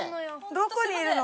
どこにいるの？